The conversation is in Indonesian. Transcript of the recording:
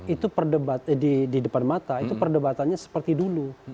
itu di depan mata itu perdebatannya seperti dulu